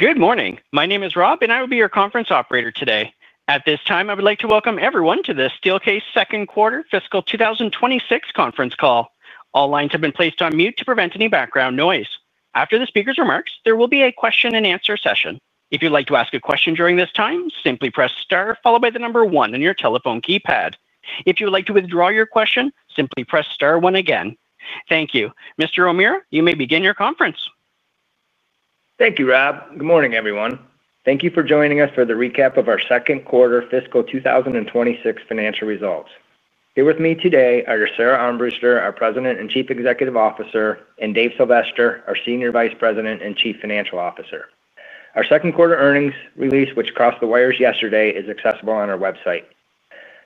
Good morning. My name is Rob, and I will be your conference operator today. At this time, I would like to welcome everyone to the Steelcase Second Quarter Fiscal 2026 conference call. All lines have been placed on mute to prevent any background noise. After the speaker's remarks, there will be a question and answer session. If you would like to ask a question during this time, simply press star followed by the number one on your telephone keypad. If you would like to withdraw your question, simply press star one again. Thank you. Mr. O'Meara, you may begin your conference. Thank you, Rob. Good morning, everyone. Thank you for joining us for the recap of our second quarter fiscal 2026 financial results. Here with me today are Sara Armbruster, our President and Chief Executive Officer, and Dave Sylvester, our Senior Vice President and Chief Financial Officer. Our second quarter earnings release, which crossed the wires yesterday, is accessible on our website.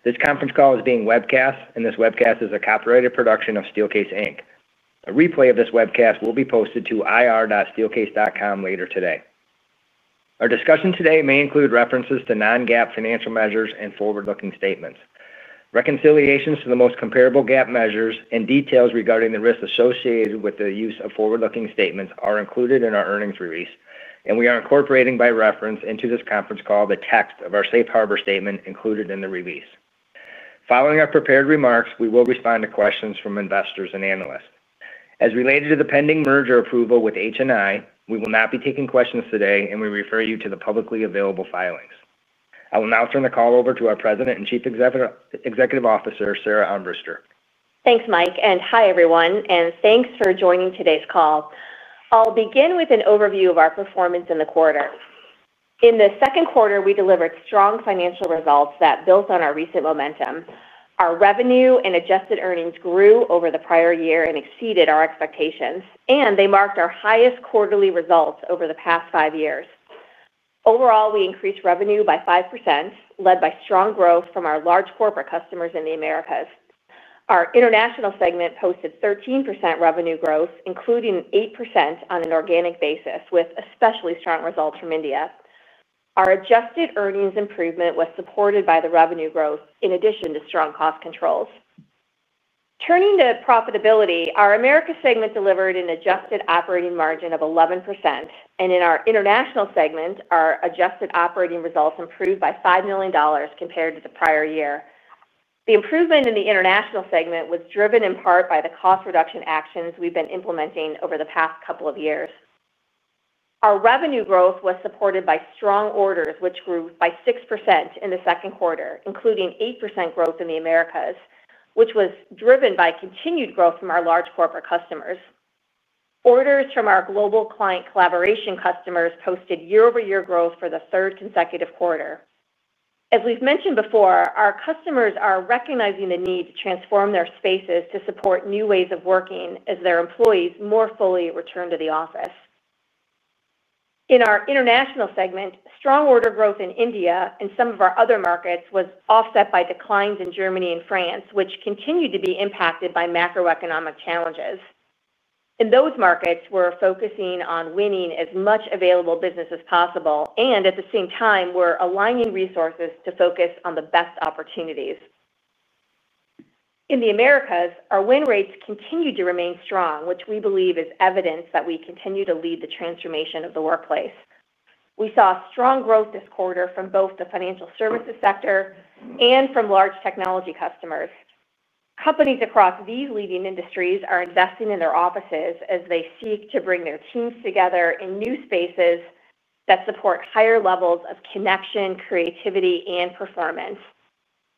This conference call is being webcast, and this webcast is a copyrighted production of Steelcase Inc. A replay of this webcast will be posted to ir.steelcase.com later today. Our discussion today may include references to non-GAAP financial measures and forward-looking statements. Reconciliations to the most comparable GAAP measures and details regarding the risks associated with the use of forward-looking statements are included in our earnings release, and we are incorporating by reference into this conference call the text of our safe harbor statement included in the release. Following our prepared remarks, we will respond to questions from investors and analysts. As related to the pending merger approval with HNI Corporation, we will not be taking questions today, and we refer you to the publicly available filings. I will now turn the call over to our President and Chief Executive Officer, Sara Armbruster. Thanks, Mike, and hi, everyone, and thanks for joining today's call. I'll begin with an overview of our performance in the quarter. In the second quarter, we delivered strong financial results that built on our recent momentum. Our revenue and adjusted earnings grew over the prior year and exceeded our expectations, and they marked our highest quarterly results over the past five years. Overall, we increased revenue by 5%, led by strong growth from our large corporate customers in the Americas. Our international segment posted 13% revenue growth, including 8% on an organic basis, with especially strong results from India. Our adjusted earnings improvement was supported by the revenue growth in addition to strong cost controls. Turning to profitability, our Americas segment delivered an adjusted operating margin of 11%, and in our international segment, our adjusted operating results improved by $5 million compared to the prior year. The improvement in the international segment was driven in part by the cost reduction actions we've been implementing over the past couple of years. Our revenue growth was supported by strong orders, which grew by 6% in the second quarter, including 8% growth in the Americas, which was driven by continued growth from our large corporate customers. Orders from our global client collaboration customers posted year-over-year growth for the third consecutive quarter. As we've mentioned before, our customers are recognizing the need to transform their spaces to support new ways of working as their employees more fully return to the office. In our international segment, strong order growth in India and some of our other markets was offset by declines in Germany and France, which continued to be impacted by macroeconomic challenges. In those markets, we're focusing on winning as much available business as possible, and at the same time, we're aligning resources to focus on the best opportunities. In the Americas, our win rates continue to remain strong, which we believe is evidence that we continue to lead the transformation of the workplace. We saw strong growth this quarter from both the financial services sector and from large technology customers. Companies across these leading industries are investing in their offices as they seek to bring their teams together in new spaces that support higher levels of connection, creativity, and performance,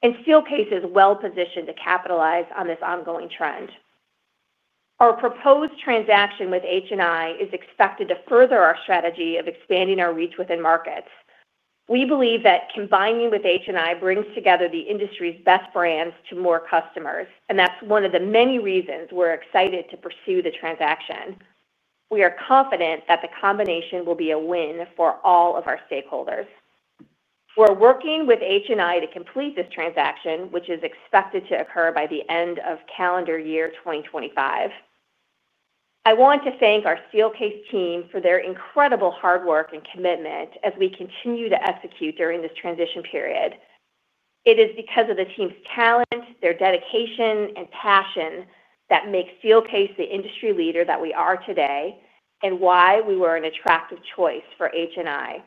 and Steelcase is well-positioned to capitalize on this ongoing trend. Our proposed transaction with HNI Corporation is expected to further our strategy of expanding our reach within markets. We believe that combining with HNI Corporation brings together the industry's best brands to more customers, and that's one of the many reasons we're excited to pursue the transaction. We are confident that the combination will be a win for all of our stakeholders. We're working with HNI Corporation to complete this transaction, which is expected to occur by the end of calendar year 2025. I want to thank our Steelcase team for their incredible hard work and commitment as we continue to execute during this transition period. It is because of the team's talent, their dedication, and passion that makes Steelcase the industry leader that we are today and why we were an attractive choice for HNI Corporation.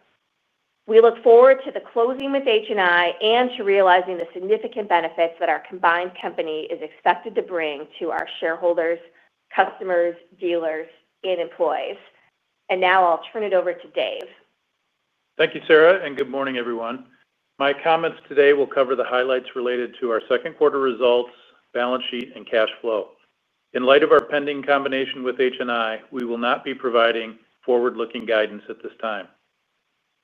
We look forward to the closing with HNI Corporation and to realizing the significant benefits that our combined company is expected to bring to our shareholders, customers, dealers, and employees. Now I'll turn it over to Dave. Thank you, Sara, and good morning, everyone. My comments today will cover the highlights related to our second quarter results, balance sheet, and cash flow. In light of our pending combination with HNI Corporation, we will not be providing forward-looking guidance at this time.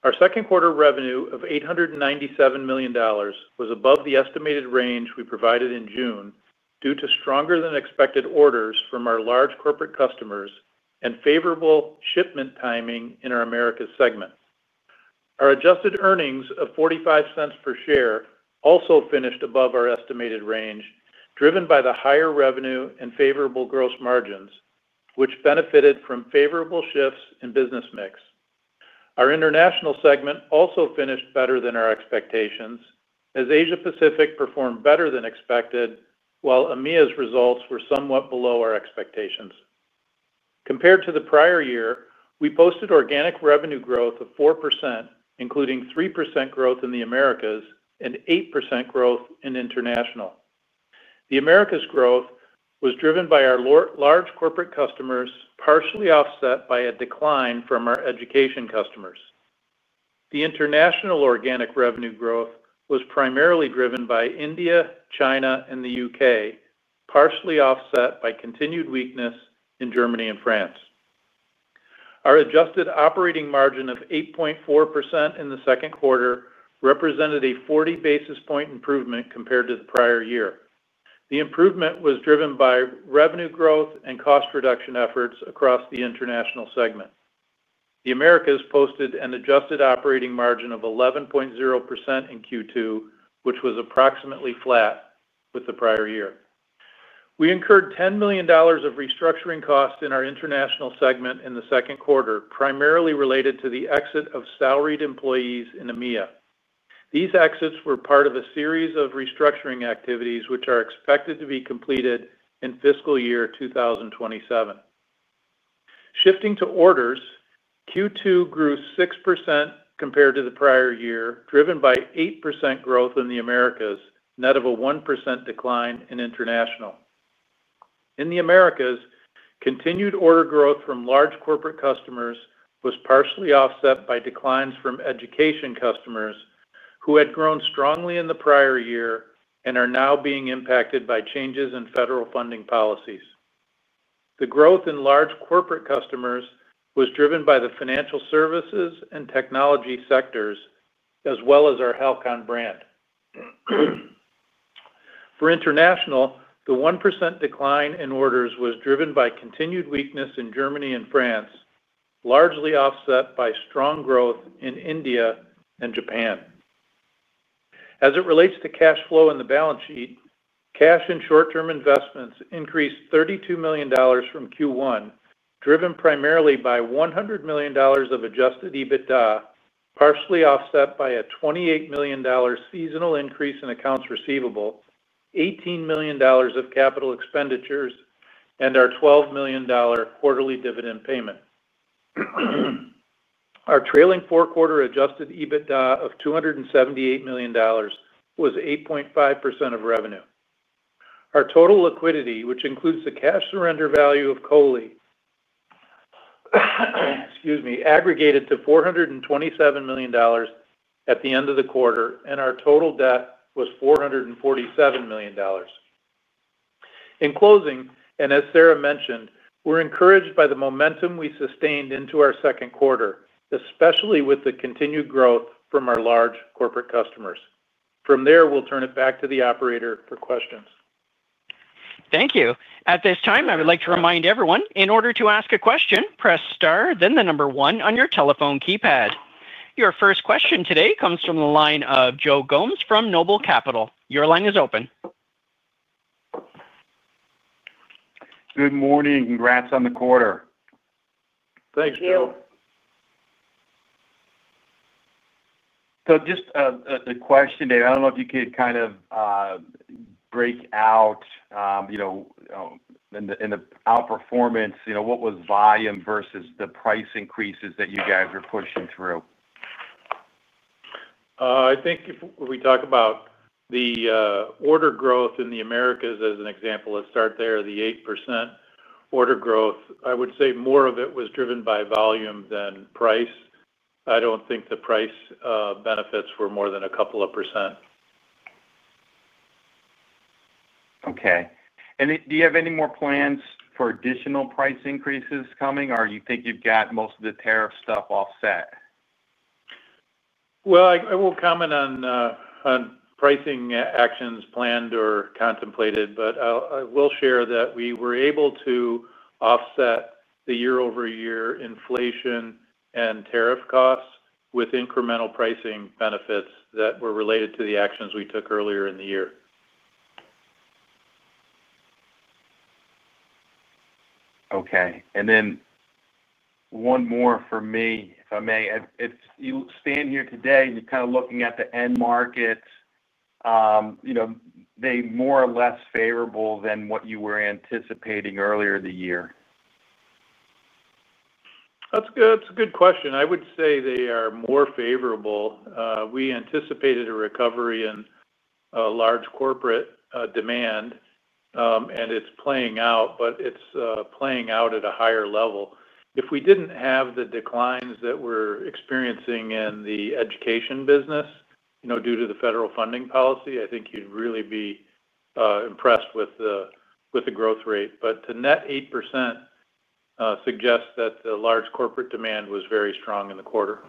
Our second quarter revenue of $897 million was above the estimated range we provided in June due to stronger than expected orders from our large corporate customers and favorable shipment timing in our Americas segment. Our adjusted earnings of $0.45 per share also finished above our estimated range, driven by the higher revenue and favorable gross margins, which benefited from favorable shifts in business mix. Our international segment also finished better than our expectations, as Asia Pacific performed better than expected, while EMEA's results were somewhat below our expectations. Compared to the prior year, we posted organic revenue growth of 4%, including 3% growth in the Americas and 8% growth in international. The Americas growth was driven by our large corporate customers, partially offset by a decline from our education customers. The international organic revenue growth was primarily driven by India, China, and the UK, partially offset by continued weakness in Germany and France. Our adjusted operating margin of 8.4% in the second quarter represented a 40 basis point improvement compared to the prior year. The improvement was driven by revenue growth and cost reduction efforts across the international segment. The Americas posted an adjusted operating margin of 11.0% in Q2, which was approximately flat with the prior year. We incurred $10 million of restructuring costs in our international segment in the second quarter, primarily related to the exit of salaried employees in EMEA. These exits were part of a series of restructuring activities, which are expected to be completed in fiscal year 2027. Shifting to orders, Q2 grew 6% compared to the prior year, driven by 8% growth in the Americas, net of a 1% decline in international. In the Americas, continued order growth from large corporate customers was partially offset by declines from education customers, who had grown strongly in the prior year and are now being impacted by changes in federal funding policies. The growth in large corporate customers was driven by the financial services and technology sectors, as well as our Steelcase brand. For international, the 1% decline in orders was driven by continued weakness in Germany and France, largely offset by strong growth in India and Japan. As it relates to cash flow in the balance sheet, cash and short-term investments increased $32 million from Q1, driven primarily by $100 million of adjusted EBITDA, partially offset by a $28 million seasonal increase in accounts receivable, $18 million of capital expenditures, and our $12 million quarterly dividend payment. Our trailing four-quarter adjusted EBITDA of $278 million was 8.5% of revenue. Our total liquidity, which includes the cash surrender value of COLI, aggregated to $427 million at the end of the quarter, and our total debt was $447 million. In closing, and as Sara mentioned, we're encouraged by the momentum we sustained into our second quarter, especially with the continued growth from our large corporate customers. From there, we'll turn it back to the operator for questions. Thank you. At this time, I would like to remind everyone, in order to ask a question, press star, then the number one on your telephone keypad. Your first question today comes from the line of Joseph Gomes from Noble Capital Markets. Your line is open. Good morning. Congrats on the quarter. Thank you. Dave, I don't know if you could kind of break out, in the outperformance, what was volume versus the price increases that you guys were pushing through? I think if we talk about the order growth in the Americas as an example, let's start there, the 8% order growth. I would say more of it was driven by volume than price. I don't think the price benefits were more than a couple of percent. Okay. Do you have any more plans for additional price increases coming, or do you think you've got most of the tariff stuff offset? I won't comment on pricing actions planned or contemplated, but I will share that we were able to offset the year-over-year inflation and tariff costs with incremental pricing benefits that were related to the actions we took earlier in the year. Okay. One more for me, if I may. If you stand here today and you're kind of looking at the end markets, are they more or less favorable than what you were anticipating earlier in the year? That's a good question. I would say they are more favorable. We anticipated a recovery in large corporate demand, and it's playing out, but it's playing out at a higher level. If we didn't have the declines that we're experiencing in the education business due to the federal funding policy, I think you'd really be impressed with the growth rate. To net 8% suggests that the large corporate demand was very strong in the quarter.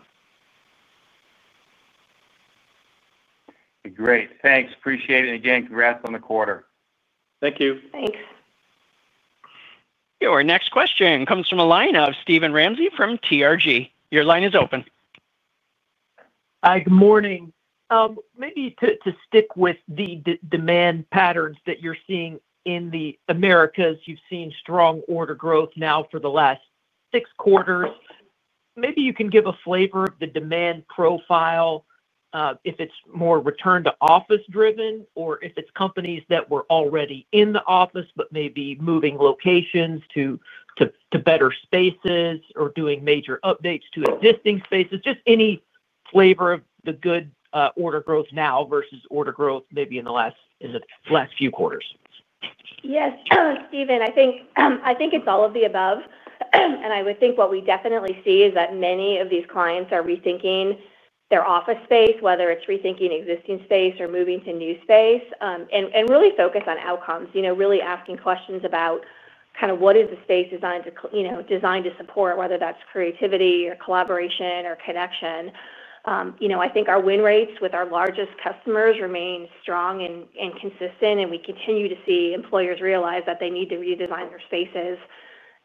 Great, thanks. Appreciate it. Again, congrats on the quarter. Thank you. Thanks. Our next question comes from the line of Steven Ramsey from Thompson Research Group. Your line is open. Hi. Good morning. Maybe to stick with the demand patterns that you're seeing in the Americas, you've seen strong order growth now for the last six quarters. Maybe you can give a flavor of the demand profile if it's more return-to-office driven or if it's companies that were already in the office but maybe moving locations to better spaces or doing major updates to existing spaces. Just any flavor of the good order growth now versus order growth maybe in the last few quarters. Yes. Steven, I think it's all of the above. I would think what we definitely see is that many of these clients are rethinking their office space, whether it's rethinking existing space or moving to new space, and really focus on outcomes, really asking questions about what is the space designed to support, whether that's creativity or collaboration or connection. I think our win rates with our largest customers remain strong and consistent, and we continue to see employers realize that they need to redesign their spaces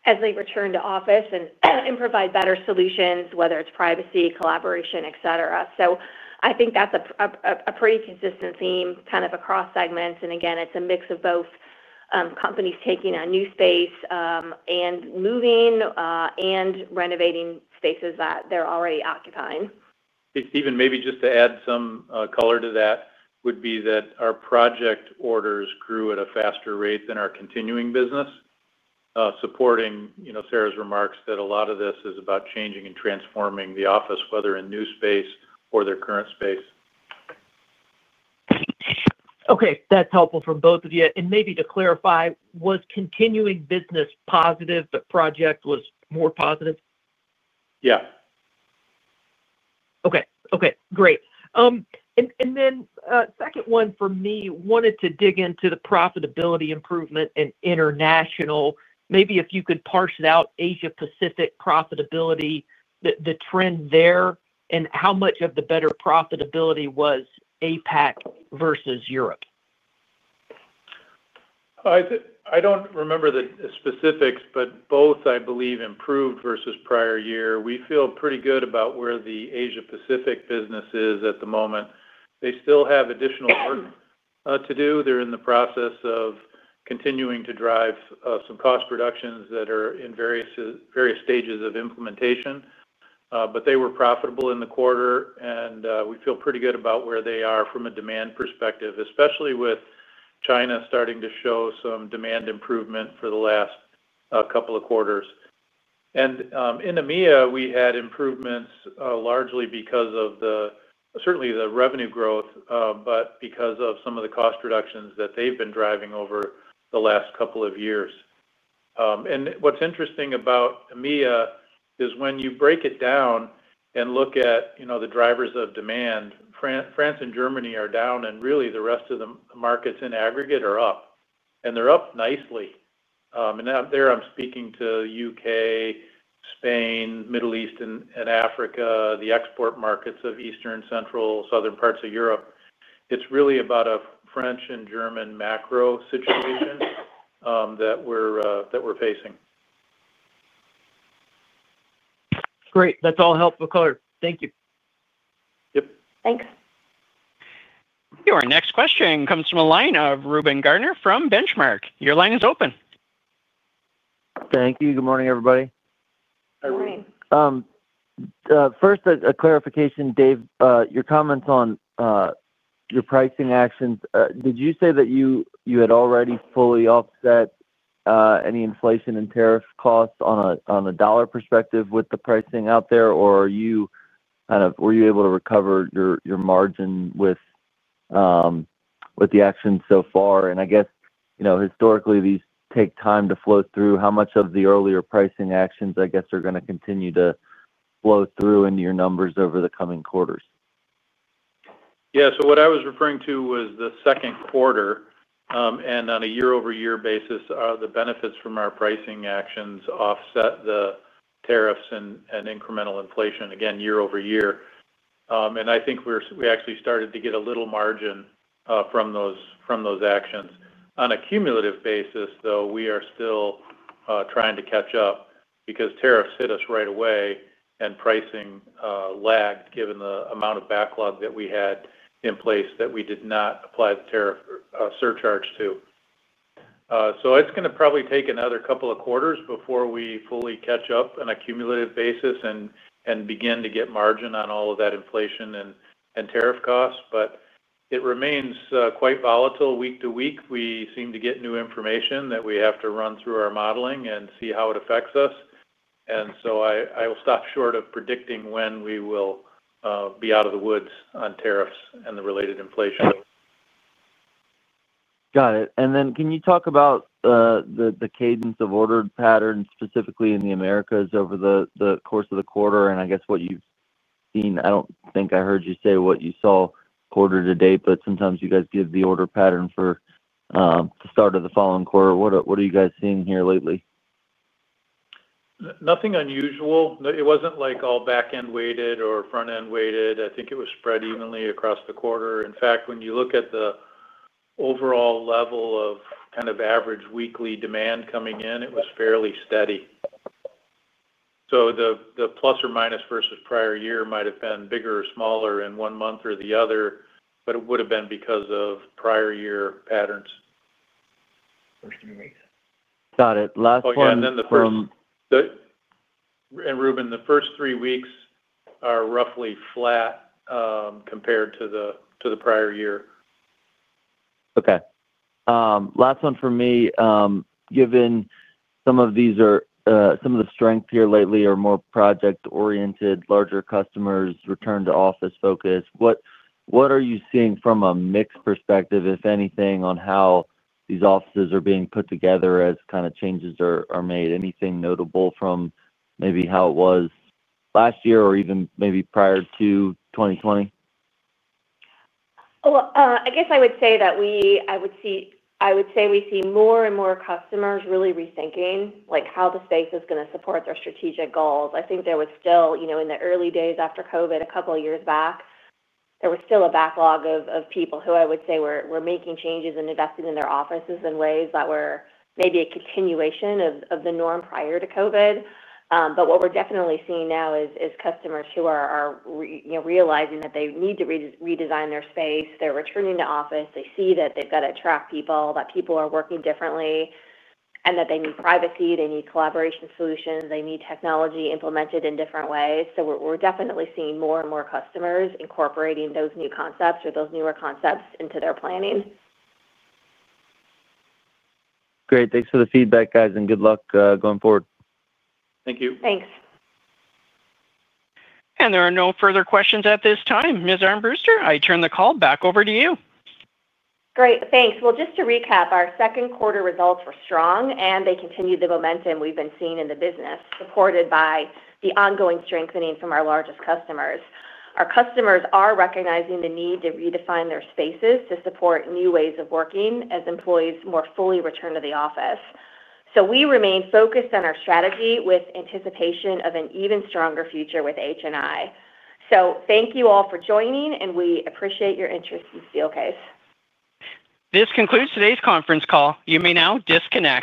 as they return to office and provide better solutions, whether it's privacy, collaboration, etc. I think that's a pretty consistent theme across segments. It's a mix of both companies taking on new space and moving and renovating spaces that they're already occupying. Hey, Steven, maybe just to add some color to that, our project-based orders grew at a faster rate than our continuing business, supporting Sara's remarks that a lot of this is about changing and transforming the office, whether in new space or their current space. Okay, that's helpful from both of you. Maybe to clarify, was continuing business positive, but project was more positive? Yeah. Okay. Great. The second one for me, wanted to dig into the profitability improvement in international. Maybe if you could parse it out, Asia-Pacific profitability, the trend there, and how much of the better profitability was APAC versus Europe? I don't remember the specifics, but both, I believe, improved versus prior year. We feel pretty good about where the Asia-Pacific business is at the moment. They still have additional work to do. They're in the process of continuing to drive some cost reductions that are in various stages of implementation. They were profitable in the quarter, and we feel pretty good about where they are from a demand perspective, especially with China starting to show some demand improvement for the last couple of quarters. In EMEA, we had improvements largely because of the revenue growth, but also because of some of the cost reductions that they've been driving over the last couple of years. What's interesting about EMEA is when you break it down and look at the drivers of demand, France and Germany are down, and really, the rest of the markets in aggregate are up. They're up nicely. There, I'm speaking to the UK, Spain, Middle East, and Africa, the export markets of Eastern, Central, Southern parts of Europe. It's really about a French and German macro situation that we're facing. Great. That's all helpful color. Thank you. Yep. Thanks. Our next question comes from the line of Reuben Garner from The Benchmark Company. Your line is open. Thank you. Good morning, everybody. Morning. First, a clarification, Dave, your comments on your pricing actions. Did you say that you had already fully offset any inflation and tariff costs on a dollar perspective with the pricing out there, or were you kind of able to recover your margin with the actions so far? Historically, these take time to flow through. How much of the earlier pricing actions are going to continue to flow through into your numbers over the coming quarters? Yeah. What I was referring to was the second quarter. On a year-over-year basis, the benefits from our pricing actions offset the tariffs and incremental inflation, again, year-over-year. I think we actually started to get a little margin from those actions. On a cumulative basis, we are still trying to catch up because tariffs hit us right away and pricing lagged given the amount of backlog that we had in place that we did not apply the tariff surcharge to. It's going to probably take another couple of quarters before we fully catch up on a cumulative basis and begin to get margin on all of that inflation and tariff costs. It remains quite volatile week to week. We seem to get new information that we have to run through our modeling and see how it affects us. I will stop short of predicting when we will be out of the woods on tariffs and the related inflation. Got it. Can you talk about the cadence of order patterns, specifically in the Americas, over the course of the quarter? I guess what you've seen, I don't think I heard you say what you saw quarter to date, but sometimes you guys give the order pattern for the start of the following quarter. What are you guys seeing here lately? Nothing unusual. It wasn't like all back-end weighted or front-end weighted. I think it was spread evenly across the quarter. In fact, when you look at the overall level of kind of average weekly demand coming in, it was fairly steady. The plus or minus versus prior year might have been bigger or smaller in one month or the other, but it would have been because of prior year patterns. Got it. Last point. Oh, Reuben, the first three weeks are roughly flat compared to the prior year. Okay. Last one for me. Given some of these are, some of the strengths here lately are more project-oriented, larger customers, return-to-office focus, what are you seeing from a mixed perspective, if anything, on how these offices are being put together as kind of changes are made? Anything notable from maybe how it was last year or even maybe prior to 2020? I would say we see more and more customers really rethinking how the space is going to support their strategic goals. I think there was still, in the early days after COVID a couple of years back, a backlog of people who were making changes and investing in their offices in ways that were maybe a continuation of the norm prior to COVID. What we're definitely seeing now is customers who are realizing that they need to redesign their space. They're returning to office. They see that they've got to attract people, that people are working differently, and that they need privacy. They need collaboration solutions. They need technology implemented in different ways. We're definitely seeing more and more customers incorporating those new concepts or those newer concepts into their planning. Great. Thanks for the feedback, guys, and good luck going forward. Thank you. Thanks. There are no further questions at this time. Ms. Armbruster, I turn the call back over to you. Thank you. Just to recap, our second quarter results were strong, and they continued the momentum we've been seeing in the business, supported by the ongoing strengthening from our largest customers. Our customers are recognizing the need to redefine their spaces to support new ways of working as employees more fully return to the office. We remain focused on our strategy with anticipation of an even stronger future with HNI Corporation. Thank you all for joining, and we appreciate your interest, Steelcase. This concludes today's conference call. You may now disconnect.